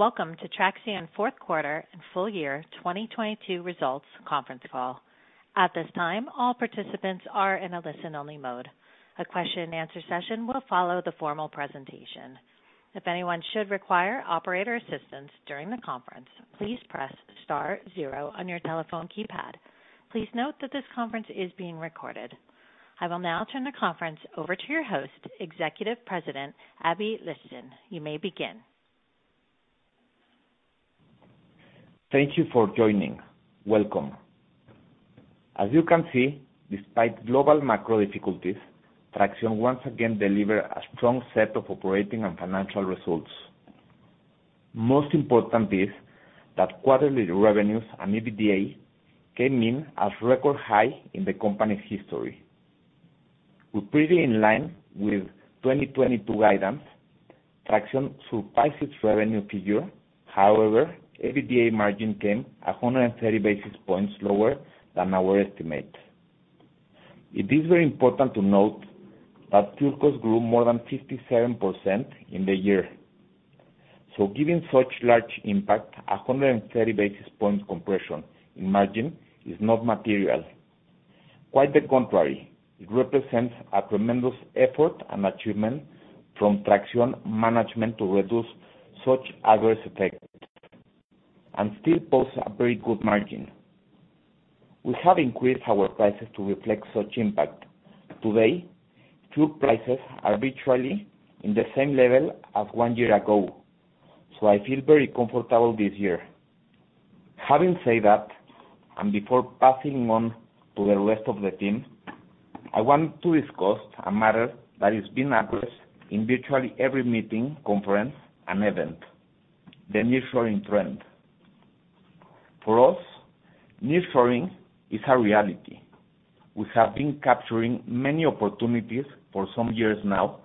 Greetings. Welcome to Traxión fourth quarter and full year 2022 results conference call. At this time, all participants are in a listen-only mode. A question and answer session will follow the formal presentation. If anyone should require operator assistance during the conference, please press star zero on your telephone keypad. Please note that this conference is being recorded. I will now turn the conference over to your host, Executive President, Aby Lijtszain. You may begin. Thank you for joining. Welcome. As you can see, despite global macro difficulties, Traxión once again deliver a strong set of operating and financial results. Most important is that quarterly revenues and EBITDA came in as record high in the company's history. We're pretty in line with 2022 items. Traxión survives its revenue figure. EBITDA margin came 130 basis points lower than our estimate. It is very important to note that fuel cost grew more than 57% in the year. Given such large impact, 130 basis points compression in margin is not material. Quite the contrary, it represents a tremendous effort and achievement from Traxión management to reduce such adverse effect and still pose a very good margin. We have increased our prices to reflect such impact. Today, fuel prices are virtually in the same level as one year ago. I feel very comfortable this year. Having said that, before passing on to the rest of the team, I want to discuss a matter that has been addressed in virtually every meeting, conference, and event, the nearshoring trend. For us, nearshoring is a reality. We have been capturing many opportunities for some years now,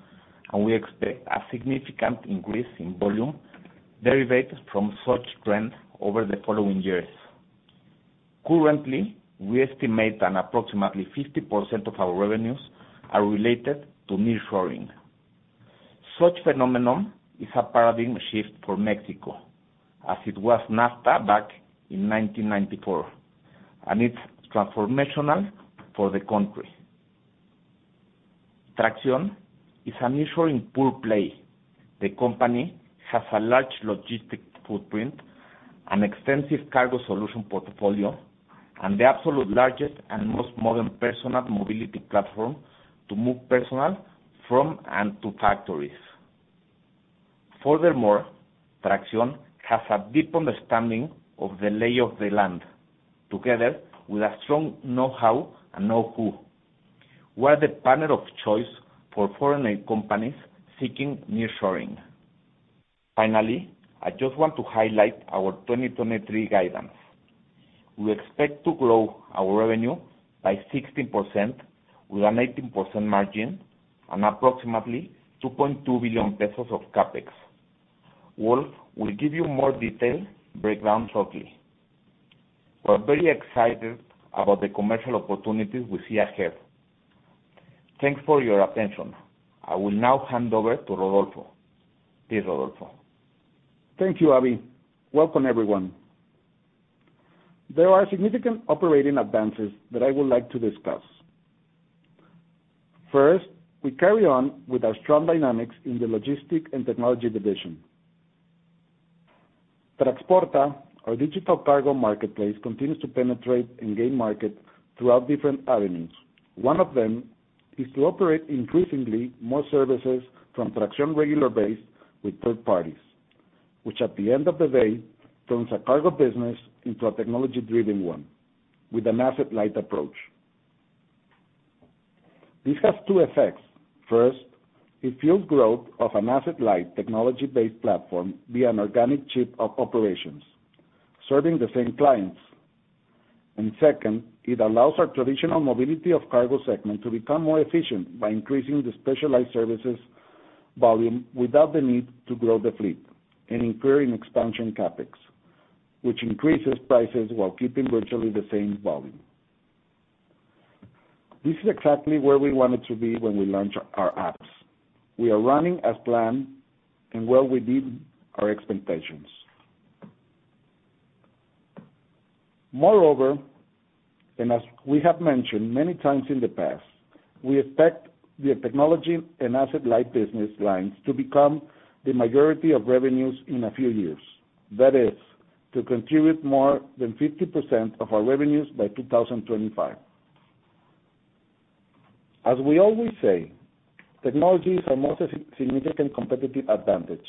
and we expect a significant increase in volume derived from such trend over the following years. Currently, we estimate an approximately 50% of our revenues are related to nearshoring. Such phenomenon is a paradigm shift for Mexico, as it was NAFTA back in 1994. It's transformational for the country. Traxión is an ensuring pure-play. The company has a large logistic footprint, an extensive cargo solution portfolio, and the absolute largest and most modern personnel mobility platform to move personnel from and to factories. Furthermore, Traxión has a deep understanding of the lay of the land, together with a strong know-how and know-who. We're the partner of choice for foreign aid companies seeking nearshoring. Finally, I just want to highlight our 2023 guidance. We expect to grow our revenue by 16% with an 18% margin and approximately 2.2 billion pesos of CapEx. Wolf will give you more detail breakdown shortly. We're very excited about the commercial opportunities we see ahead. Thanks for your attention. I will now hand over to Rodolfo. Please, Rodolfo. Thank you, Abby. Welcome, everyone. There are significant operating advances that I would like to discuss. First, we carry on with our strong dynamics in the logistic and technology division. Traxporta, our digital cargo marketplace, continues to penetrate and gain market throughout different avenues. One of them is to operate increasingly more services from Traxión regular base with third parties, which at the end of the day, turns a cargo business into a technology-driven one with an asset-light approach. This has two effects. First, it fuels growth of an asset-light technology-based platform via an organic chip of operations serving the same clients. Second, it allows our traditional mobility of cargo segment to become more efficient by increasing the specialized services volume without the need to grow the fleet and incurring expansion CapEx, which increases prices while keeping virtually the same volume. This is exactly where we wanted to be when we launched our apps. We are running as planned and well within our expectations. Moreover, as we have mentioned many times in the past, we expect the technology and asset-light business lines to become the majority of revenues in a few years. That is, to contribute more than 50% of our revenues by 2025. As we always say, technology is our most significant competitive advantage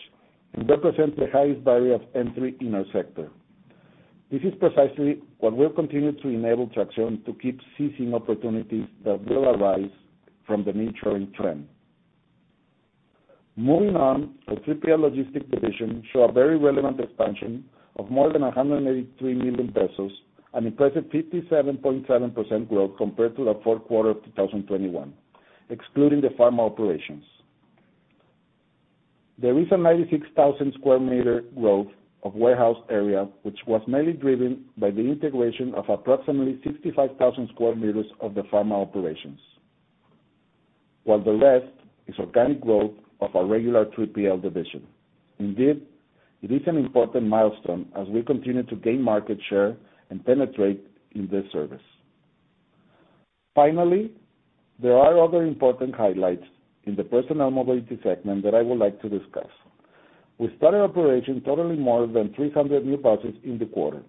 and represents the highest value of entry in our sector. This is precisely what will continue to enable Traxión to keep seizing opportunities that will arise from the nearshoring trend. Moving on, our 3PL logistic division show a very relevant expansion of more than 183 million pesos, an impressive 57.7% growth compared to the fourth quarter of 2021, excluding the pharma operations. There is a 96,000 square meter growth of warehouse area, which was mainly driven by the integration of approximately 65,000 square meters of the pharma operations. The rest is organic growth of our regular 3PL division. Indeed, it is an important milestone as we continue to gain market share and penetrate in this service. Finally, there are other important highlights in the personal mobility segment that I would like to discuss. We started operation totaling more than 300 new buses in the quarter,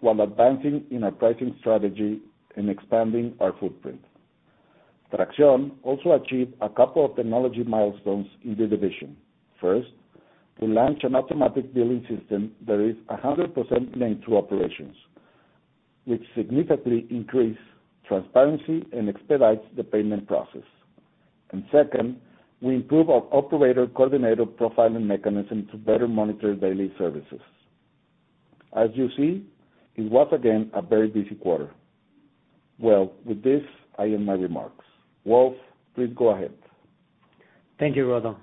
while advancing in our pricing strategy and expanding our footprint. Traxión also achieved a couple of technology milestones in the division. First, we launched an automatic billing system that is 100% linked to operations, which significantly increase transparency and expedites the payment process. Second, we improved our operator coordinator profiling mechanism to better monitor daily services. As you see, it was again a very busy quarter. With this, I end my remarks. Wolf, please go ahead. Thank you, Rodo.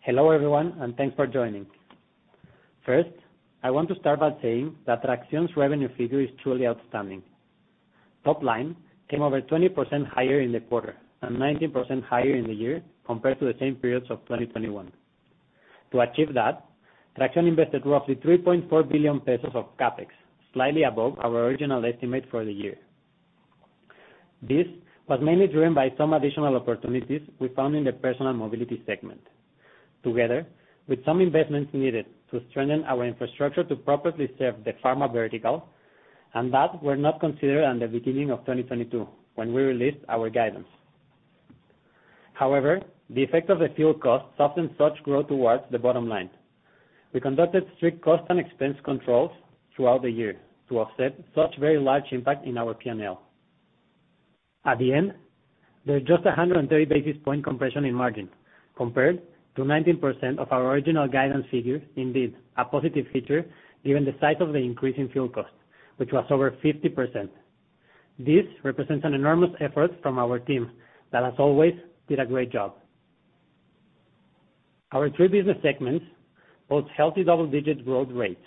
Hello, everyone, thanks for joining. First, I want to start by saying that Traxión's revenue figure is truly outstanding. Top line came over 20% higher in the quarter and 19% higher in the year compared to the same periods of 2021. To achieve that, Traxión invested roughly 3.4 billion pesos of CapEx, slightly above our original estimate for the year. This was mainly driven by some additional opportunities we found in the personal mobility segment, together with some investments needed to strengthen our infrastructure to properly serve the pharma vertical, that were not considered at the beginning of 2022 when we released our guidance. However, the effect of the fuel costs softened such growth towards the bottom line. We conducted strict cost and expense controls throughout the year to offset such very large impact in our P&L. At the end, there's just 130 basis point compression in margin compared to 19% of our original guidance figure. A positive feature given the size of the increase in fuel cost, which was over 50%. This represents an enormous effort from our team that, as always, did a great job. Our three business segments post healthy double-digit growth rates.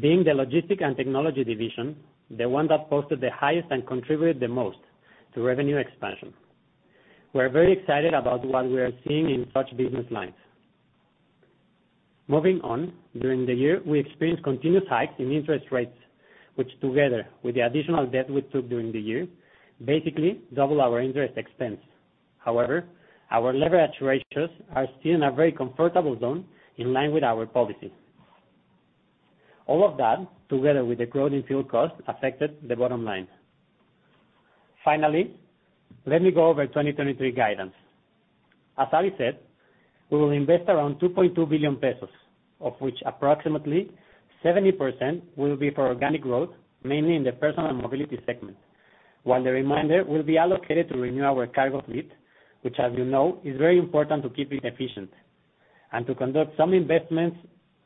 Being the logistic and technology division, the one that posted the highest and contributed the most to revenue expansion. We're very excited about what we are seeing in such business lines. Moving on, during the year, we experienced continuous hikes in interest rates, which together with the additional debt we took during the year, basically double our interest expense. Our leverage ratios are still in a very comfortable zone in line with our policy. All of that, together with the growth in fuel costs, affected the bottom line. Finally, let me go over 2023 guidance. As Ali said, we will invest around 2.2 billion pesos, of which approximately 70% will be for organic growth, mainly in the personal mobility segment, while the remainder will be allocated to renew our cargo fleet, which as you know, is very important to keep it efficient, and to conduct some investments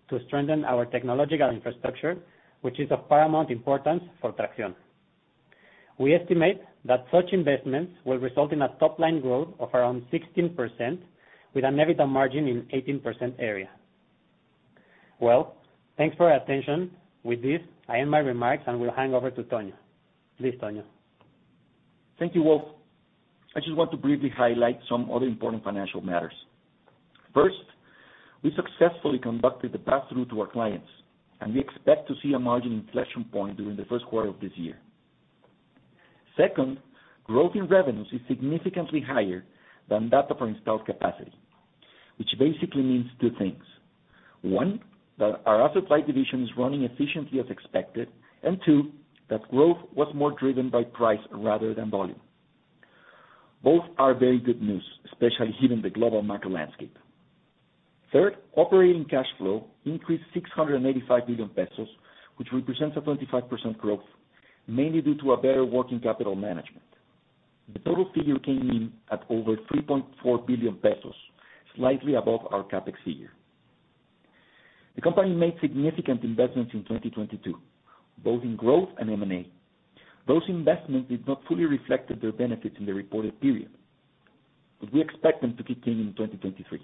to strengthen our technological infrastructure, which is of paramount importance for Traxión. We estimate that such investments will result in a top-line growth of around 16% with an EBITDA margin in 18% area. Well, thanks for your attention. With this, I end my remarks, and will hand over to Tonio. Please, Tonio. Thank you, Wolf. I just want to briefly highlight some other important financial matters. First, we successfully conducted the passthrough to our clients. We expect to see a margin inflection point during the first quarter of this year. Second, growth in revenues is significantly higher than data for installed capacity, which basically means two things. One, that our asset light division is running efficiently as expected. Two, that growth was more driven by price rather than volume. Both are very good news, especially given the global macro landscape. Third, operating cash flow increased 685 billion pesos, which represents a 25% growth, mainly due to a better working capital management. The total figure came in at over 3.4 billion pesos, slightly above our CapEx figure. The company made significant investments in 2022, both in growth and M&A. Those investments did not fully reflected their benefits in the reported period, but we expect them to continue in 2023.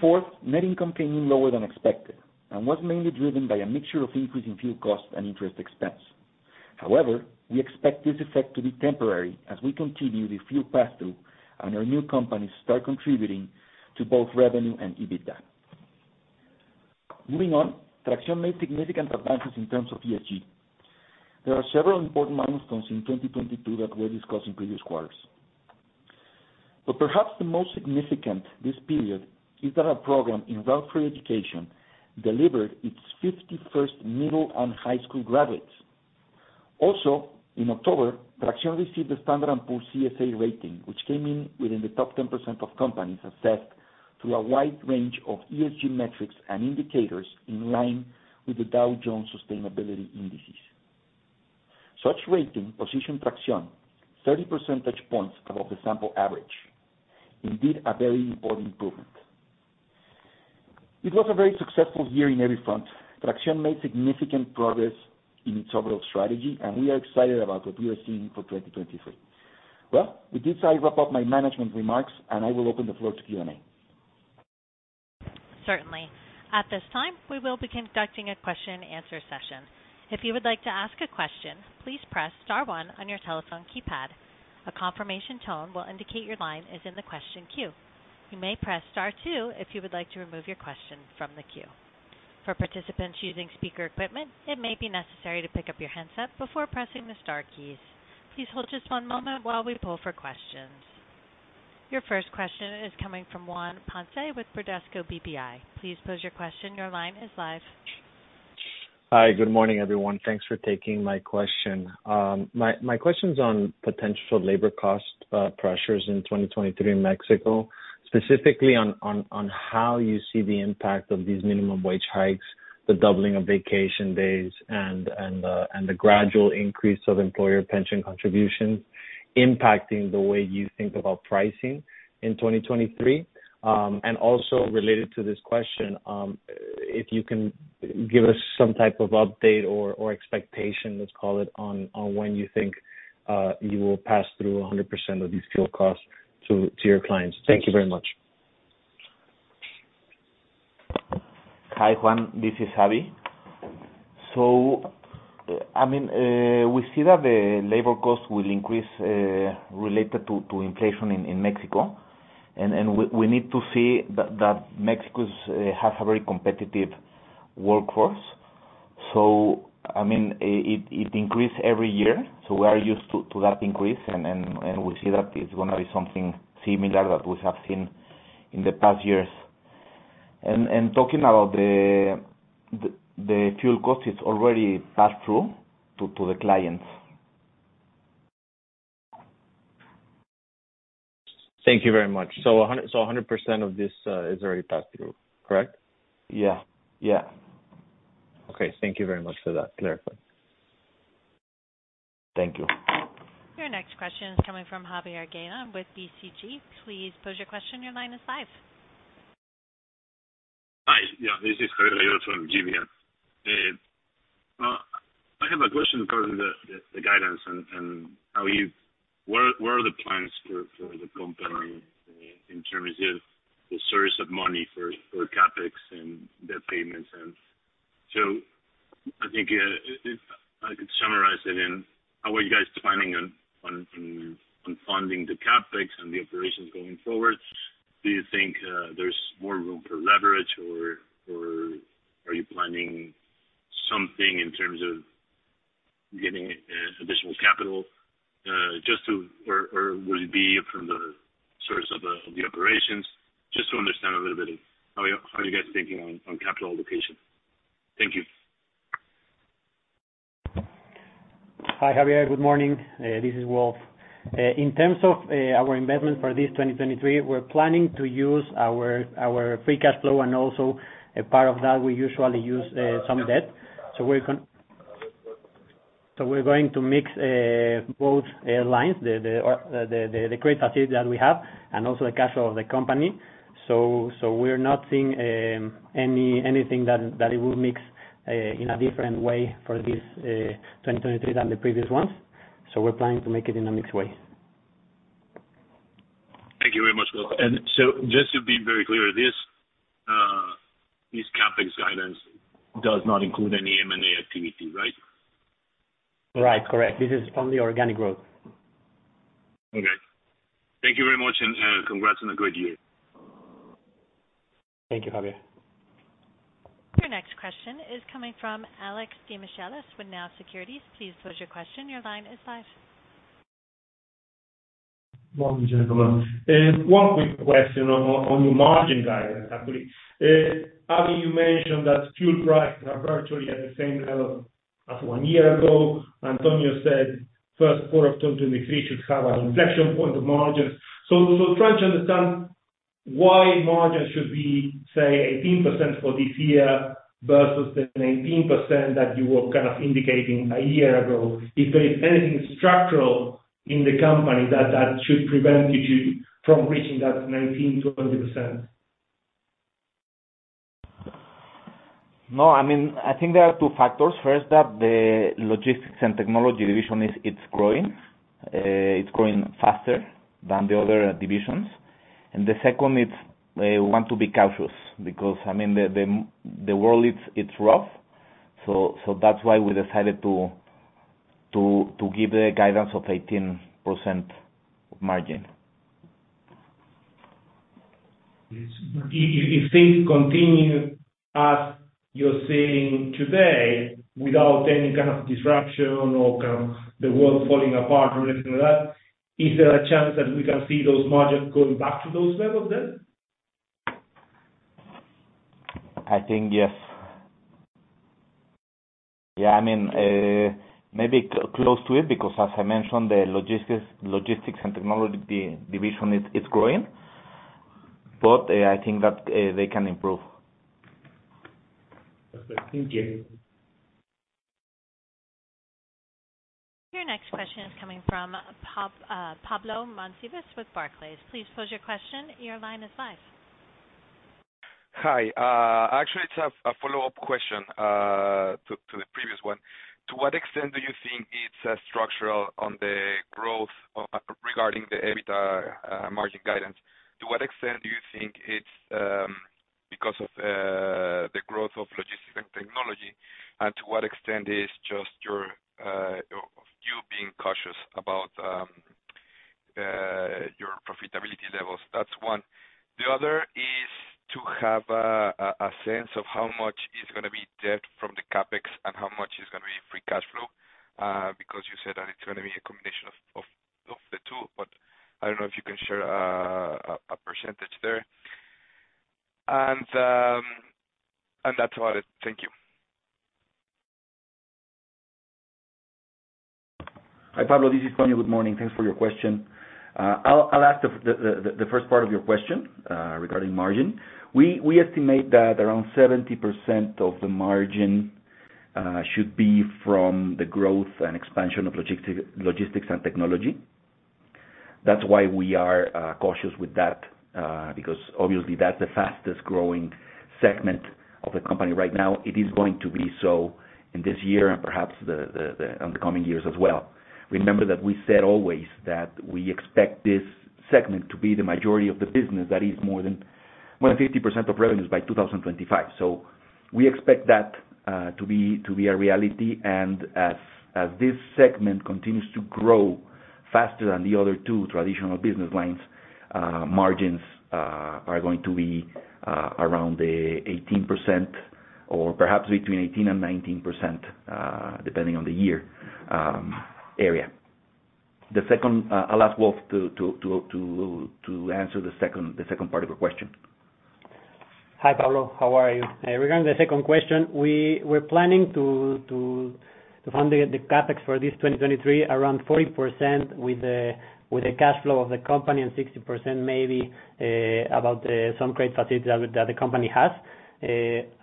Fourth, net income came in lower than expected and was mainly driven by a mixture of increase in fuel costs and interest expense. However, we expect this effect to be temporary as we continue the fuel passthrough and our new companies start contributing to both revenue and EBITDA. Moving on, Traxión made significant advances in terms of ESG. There are several important milestones in 2022 that were discussed in previous quarters. Perhaps the most significant this period is that our program in drug-free education delivered its 51st middle and high school graduates. In October, Traxión received a Standard & Poor's CSA rating, which came in within the top 10% of companies assessed through a wide range of ESG metrics and indicators in line with the Dow Jones Sustainability Indices. Such rating position Traxión 30 percentage points above the sample average. Indeed, a very important improvement. It was a very successful year in every front. Traxión made significant progress in its overall strategy. We are excited about what we are seeing for 2023. Well, with this, I wrap up my management remarks. I will open the floor to Q&A. Certainly. At this time, we will be conducting a question and answer session. If you would like to ask a question, please press star one on your telephone keypad. A confirmation tone will indicate your line is in the question queue. You may press star two if you would like to remove your question from the queue. For participants using speaker equipment, it may be necessary to pick up your handset before pressing the star keys. Please hold just one moment while we pull for questions. Your first question is coming from Juan Ponce with Bradesco BBI. Please pose your question, your line is live. Hi, good morning, everyone. Thanks for taking my question. My question's on potential labor cost pressures in 2023 in Mexico, specifically on how you see the impact of these minimum wage hikes, the doubling of vacation days and the gradual increase of employer pension contributions impacting the way you think about pricing in 2023. Also related to this question, if you can give us some type of update or expectation, let's call it on when you think you will pass through 100% of these fuel costs to your clients. Thank you very much. Hi, Juan, this is Aby. We see that the labor cost will increase related to inflation in Mexico. We need to see that Mexico's has a very competitive workforce. I mean, it increase every year, so we are used to that increase. We see that it's gonna be something similar that we have seen in the past years. Talking about the fuel cost is already passed through to the clients. Thank you very much. 100% of this is already passed through, correct? Yeah. Yeah. Okay, thank you very much for that clarity. Thank you. Your next question is coming from Javier Gana with DCG. Please pose your question, your line is live. Hi. Yeah, this is Javier from DCG. I have a question regarding the guidance and what are the plans for the company in terms of the source of money for CapEx and debt payments? I think if I could summarize it in, how are you guys planning on funding the CapEx and the operations going forward? Do you think there's more room for leverage or are you planning something in terms of getting additional capital? Or will it be from the source of the operations? Just to understand a little bit how are you guys thinking on capital allocation. Thank you. Hi, Javier. Good morning. This is Wolf. In terms of our investment for this 2023, we're planning to use our free cash flow and also a part of that we usually use some debt. We're going to mix both airlines, the great asset that we have and also the cash flow of the company. We're not seeing anything that it will mix in a different way for this 2023 than the previous ones. We're planning to make it in a mixed way. Thank you very much, Wolf. Just to be very clear, this CapEx guidance does not include any M&A activity, right? Right. Correct. This is only organic growth. Okay. Thank you very much, and, congrats on a great year. Thank you, Javier. Your next question is coming from Alex Demichelis with NAU Securities. Please pose your question. Your line is live. Good morning, gentlemen. one quick question on your margin guidance, actually. Aby, you mentioned that fuel prices are virtually at the same level as one year ago. Antonio said first quarter of 2023 should have an inflection point of margins. trying to understand why margins should be, say, 18% for this year versus the 19% that you were kind of indicating a year ago. If there is anything structural in the company that should prevent you from reaching that 19%, 20%. No, I mean, I think there are two factors. First, that the logistics and technology division it's growing. It's growing faster than the other divisions. The second, it's, we want to be cautious because, I mean, the world it's rough. That's why we decided to give the guidance of 18% margin. If things continue as you're seeing today, without any kind of disruption or kind of the world falling apart or anything like that, is there a chance that we can see those margins going back to those levels then? I think yes. Yeah, I mean, maybe close to it, because as I mentioned, the logistics and technology division is growing, but I think that they can improve. Okay. Thank you. Your next question is coming from Pablo Monsivais with Barclays. Please pose your question. Your line is live. Hi. Actually it's a follow-up question. To what extent do you think it's structural on the growth regarding the EBITDA margin guidance? To what extent do you think it's because of the growth of logistics and technology and to what extent is just your of you being cautious about your profitability levels? That's one. The other is to have a sense of how much is gonna be debt from the CapEx and how much is gonna be free cash flow because you said that it's gonna be a combination of the two. I don't know if you can share a percentage there. That's about it. Thank you. Hi, Pablo. This is Tonio. Good morning. Thanks for your question. I'll ask the first part of your question regarding margin. We estimate that around 70% of the margin should be from the growth and expansion of logistics and technology. That's why we are cautious with that because obviously, that's the fastest growing segment of the company right now. It is going to be so in this year and perhaps the coming years as well. Remember that we said always that we expect this segment to be the majority of the business that is more than 50% of revenues by 2025. We expect that to be a reality. As this segment continues to grow faster than the other two traditional business lines, margins are going to be around the 18% or perhaps between 18% and 19%, depending on the year, area. The second. I'll ask Wolf to answer the second part of your question. Hi, Pablo. How are you? Regarding the second question, we were planning to fund the CapEx for this 2023 around 40% with the cash flow of the company and 60% maybe about some credit facilities that the company has.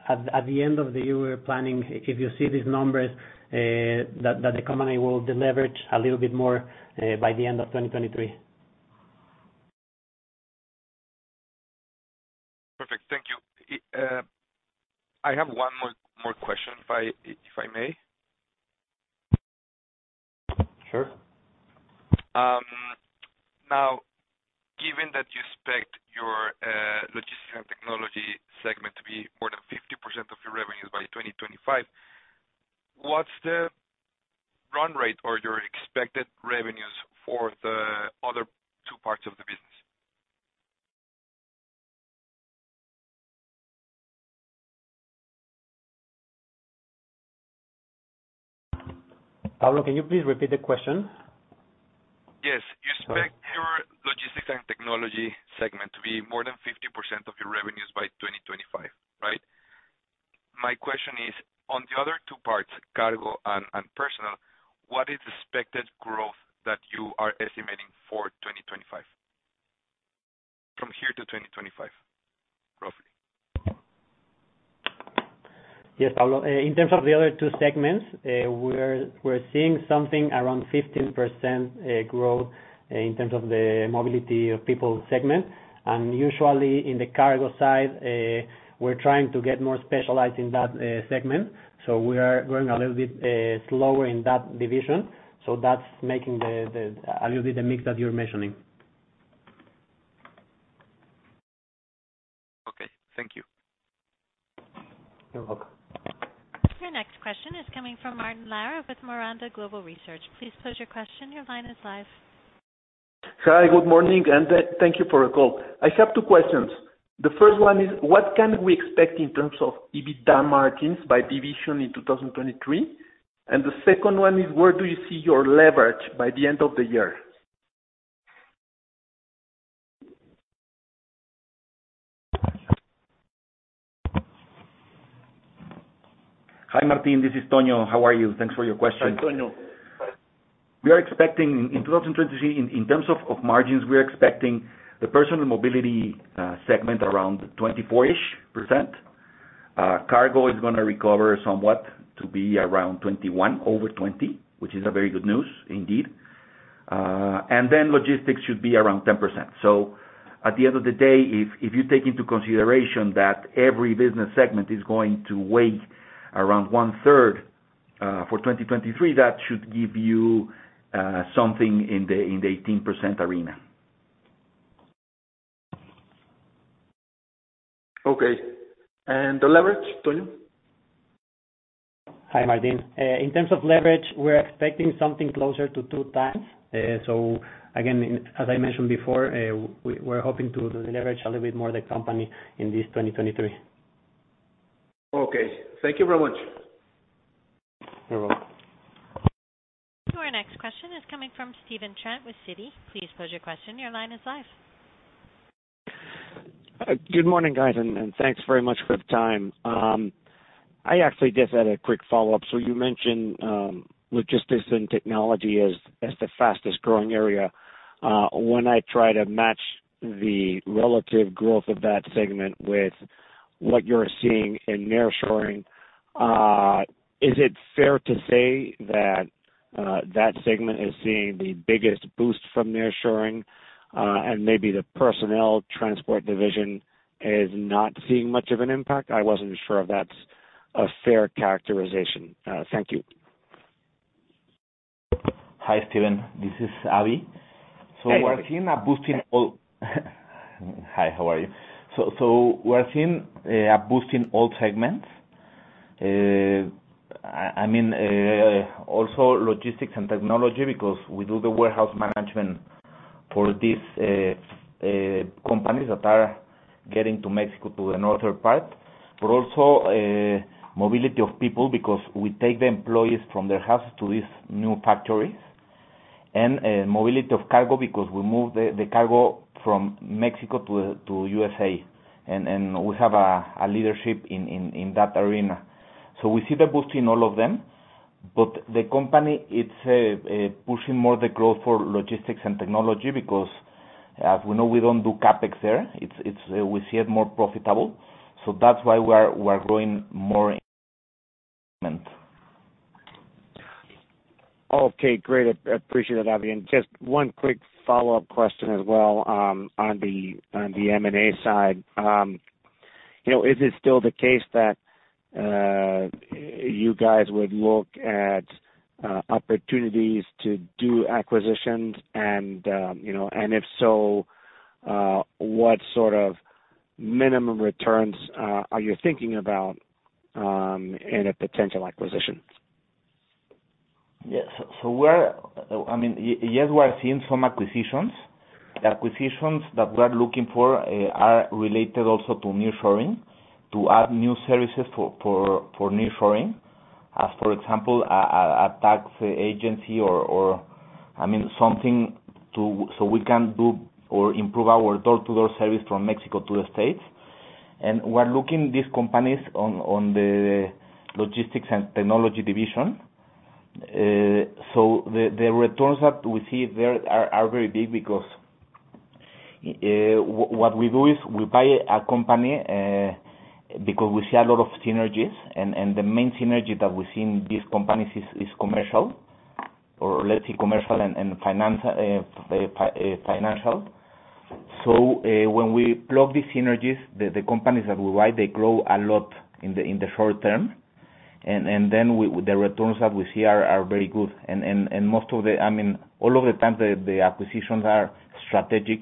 At the end of the year, we're planning, if you see these numbers, that the company will deleverage a little bit more by the end of 2023. Perfect. Thank you. I have one more question if I may. Sure. Given that you expect your logistics and technology segment to be more than 50% of your revenues by 2025, what's the run rate or your expected revenues for the other two parts of the business? Pablo, can you please repeat the question? Yes. You expect your logistics and technology segment to be more than 50% of your revenues by 2025, right? My question is, on the other two parts, cargo and personal, what is the expected growth that you are estimating for 2025, from here to 2025, roughly? Yes, Pablo. In terms of the other two segments, we're seeing something around 15% growth in terms of the mobility of people segment. Usually in the cargo side, we're trying to get more specialized in that segment. We are growing a little bit slower in that division. That's making the a little bit the mix that you're mentioning. Okay, thank you. You're welcome. Your next question is coming from Martín Lara with Miranda Global Research. Please pose your question. Your line is live. Hi. Good morning, thank you for the call. I have two questions. The first one is what can we expect in terms of EBITDA margins by division in 2023? The second one is, where do you see your leverage by the end of the year? Hi, Martín. This is Tonio. How are you? Thanks for your question. Hi, Tonio. We are expecting in 2023, in terms of margins, we are expecting the personal mobility segment around 24%-ish. Cargo is gonna recover somewhat to be around 21%, over 20%, which is a very good news indeed. Logistics should be around 10%. At the end of the day, if you take into consideration that every business segment is going to weigh around 1/3 for 2023, that should give you something in the 18% arena. Okay. The leverage, Tonio? Hi, Martín. In terms of leverage, we're expecting something closer to 2 times. Again, as I mentioned before, we're hoping to leverage a little bit more the company in this 2023. Okay. Thank you very much. You're welcome. Our next question is coming from Stephen Trent with Citi. Please pose your question. Your line is live. Good morning, guys, and thanks very much for the time. I actually just had a quick follow-up. You mentioned logistics and technology as the fastest growing area. When I try to match the relative growth of that segment with what you're seeing in nearshoring, is it fair to say that segment is seeing the biggest boost from nearshoring, and maybe the personnel transport division is not seeing much of an impact? I wasn't sure if that's a fair characterization. Thank you. Hi, Steven. This is Aby. Hey- We're seeing a boost in all... Hi, how are you? We're seeing a boost in all segments. I mean, also logistics and technology because we do the warehouse management for these companies that are getting to Mexico to another part. Also mobility of people because we take the employees from their houses to these new factories. Mobility of cargo because we move the cargo from Mexico to USA, and we have a leadership in that arena. We see the boost in all of them, but the company it's pushing more the growth for logistics and technology because as we know, we don't do CapEx there. It's, we see it more profitable. That's why we're growing more in- Okay, great. Appreciate it, Aby. Just one quick follow-up question as well, on the, on the M&A side. You know, is it still the case that you guys would look at opportunities to do acquisitions? You know, and if so, what sort of minimum returns are you thinking about in a potential acquisition? Yes. I mean, yes, we are seeing some acquisitions. The acquisitions that we are looking for are related also to nearshoring, to add new services for nearshoring. As, for example, a tax agency or, I mean, something so we can do or improve our door-to-door service from Mexico to the States. We're looking these companies on the logistics and technology division. The returns that we see there are very big because what we do is we buy a company because we see a lot of synergies and the main synergy that we see in these companies is commercial or let's say commercial and financial. When we plug these synergies, the companies that we buy, they grow a lot in the short term. The returns that we see are very good. I mean, all of the time the acquisitions are strategic,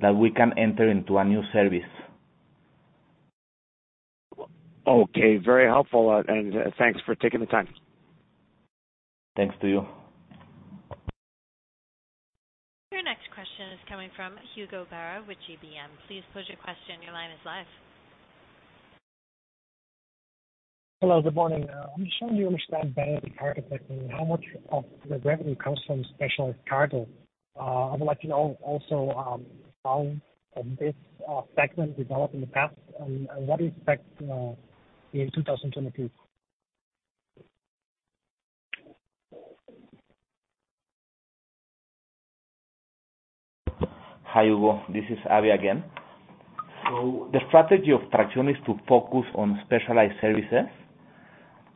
that we can enter into a new service. Okay, very helpful. Thanks for taking the time. Thanks to you. Your next question is coming from Hugo Perea with GBM. Please pose your question. Your line is live. Hello, good morning. I'm just trying to understand better the cargo segment. How much of the revenue comes from special cargo? I would like to know also, how this segment developed in the past and what do you expect in 2022? Hi, Hugo. This is Aby again. The strategy of Traxión is to focus on specialized services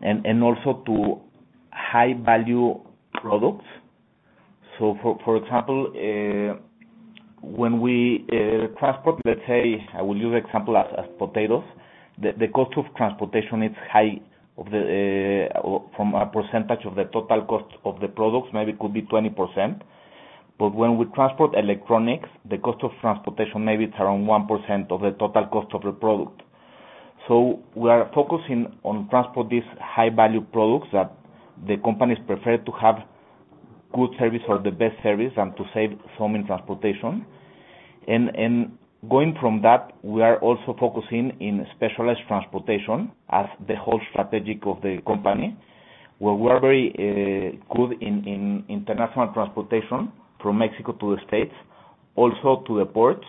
and also to high-value products. For example, when we transport, let's say, I will use example as potatoes. The cost of transportation is high of the or from a percentage of the total cost of the products, maybe could be 20%. When we transport electronics, the cost of transportation maybe it's around 1% of the total cost of the product. We are focusing on transport these high-value products that the companies prefer to have good service or the best service and to save some in transportation. Going from that, we are also focusing in specialized transportation as the whole strategic of the company, where we are very good in international transportation from Mexico to the States, also to the ports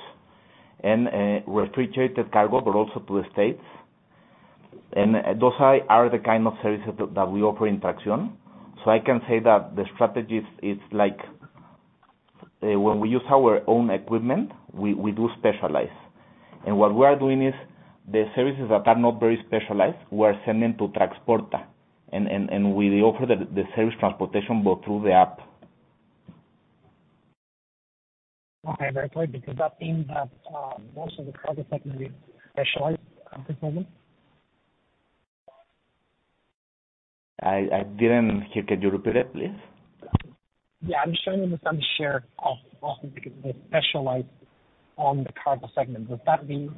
and refrigerated cargo, but also to the States. Those are the kind of services that we offer in Traxión. I can say that the strategies is like when we use our own equipment, we do specialize. What we are doing is the services that are not very specialized, we're sending to Traxporta. We offer the service transportation but through the app. Okay, that's right, because that means that most of the cargo segment is specialized at this moment? I didn't hear. Can you repeat it, please? Yeah, I'm just trying to understand the share of the specialized on the cargo segment. Does that mean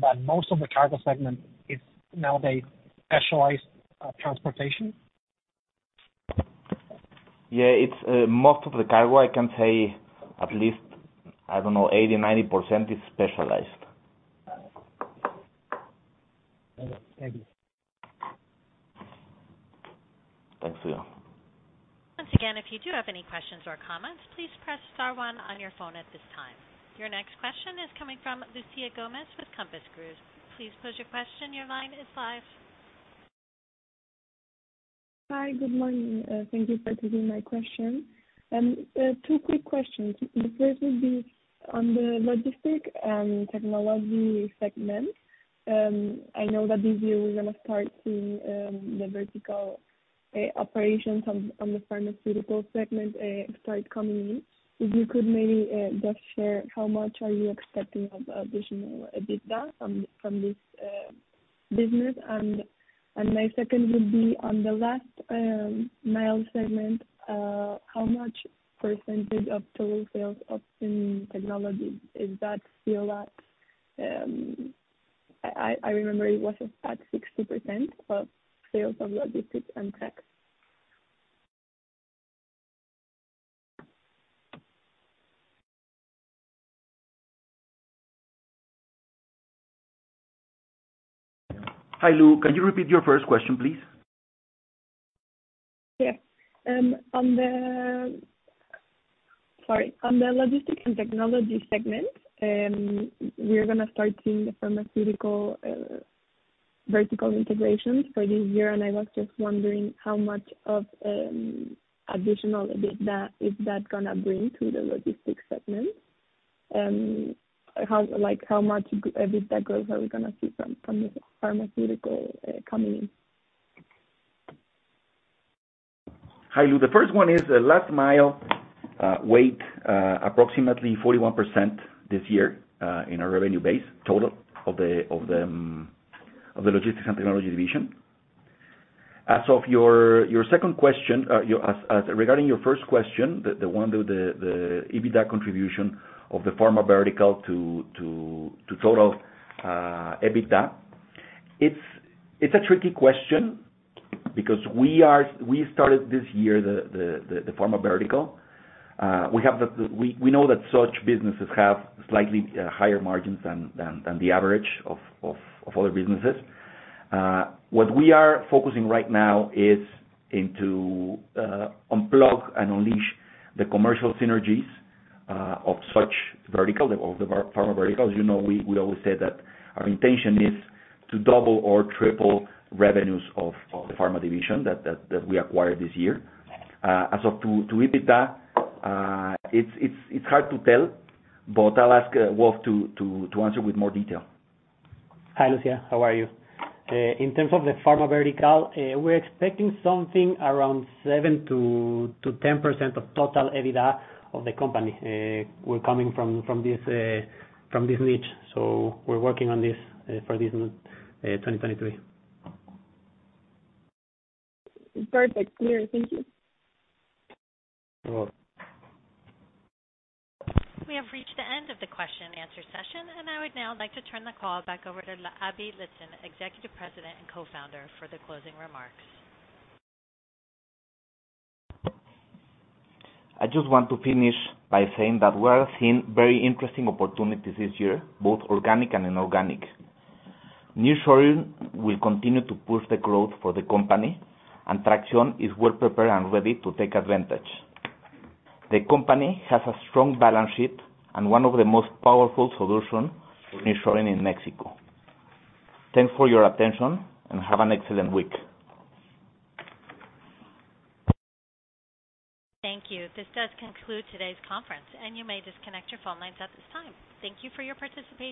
that most of the cargo segment is nowadays specialized transportation? Yeah, it's, most of the cargo I can say at least, I don't know, 80%, 90% is specialized. Okay. Thank you. Thanks to you. Once again, if you do have any questions or comments, please press star one on your phone at this time. Your next question is coming from Lucia Gomez with Compass Group. Please pose your question. Your line is live. Hi, good morning. Thank you for taking my question. Two quick questions. The first would be on the logistic and technology segment I know that this year we're gonna start seeing the vertical operations on the pharmaceutical segment start coming in. If you could maybe just share how much are you expecting of additional EBITDA from this business. My second would be on the last mile segment, how much percentage of total sales in technology is that still at? I remember it was at 60% of sales of logistics and tech. Hi, Lu. Can you repeat your first question please? Yes. Sorry. On the logistics and technology segment, we are gonna start seeing the pharmaceutical vertical integrations for this year. I was just wondering how much of additional EBITDA is that gonna bring to the logistics segment. Like, how much EBITDA growth are we gonna see from the pharmaceutical coming in? Hi, Lu. The first one is the last mile, weight, approximately 41% this year, in our revenue base total of the logistics and technology division. As of your second question, as regarding your first question, the one with the EBITDA contribution of the pharma vertical to total EBITDA. It's a tricky question because we started this year the pharma vertical. We know that such businesses have slightly higher margins than the average of other businesses. What we are focusing right now is into unplug and unleash the commercial synergies of such vertical, of the pharma verticals. You know, we always say that our intention is to double or triple revenues of the pharma division that we acquired this year. As of to EBITDA, it's hard to tell, but I'll ask Wolf to answer with more detail. Hi, Lucia. How are you? In terms of the pharma vertical, we're expecting something around 7%-10% of total EBITDA of the company. We're coming from this niche, so we're working on this for 2023. Perfect. Clear. Thank you. You're welcome. We have reached the end of the question and answer session. I would now like to turn the call back over to Aby Litson, Executive President and Co-founder for the closing remarks. I just want to finish by saying that we are seeing very interesting opportunities this year, both organic and inorganic. Nearshoring will continue to push the growth for the company, and Traxión is well prepared and ready to take advantage. The company has a strong balance sheet and one of the most powerful solution for nearshoring in Mexico. Thanks for your attention, and have an excellent week. Thank you. This does conclude today's conference. You may disconnect your phone lines at this time. Thank you for your participation.